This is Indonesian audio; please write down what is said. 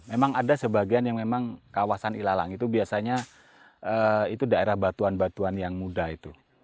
memang ada sebagian yang memang kawasan ilalang itu biasanya itu daerah batuan batuan yang muda itu